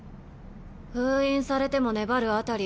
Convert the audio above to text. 封印されても粘るあたり